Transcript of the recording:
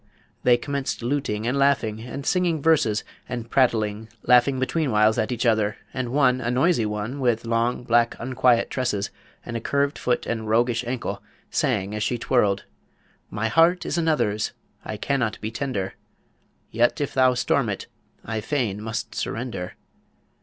they commenced luting and laughing, and singing verses, and prattling, laughing betweenwhiles at each other; and one, a noisy one, with long, black, unquiet tresses, and a curved foot and roguish ankle, sang as she twirled: My heart is another's, I cannot be tender; Yet if thou storm it, I fain must surrender.